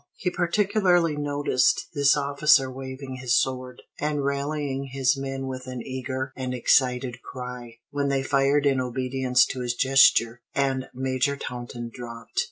He particularly noticed this officer waving his sword, and rallying his men with an eager and excited cry, when they fired in obedience to his gesture, and Major Taunton dropped.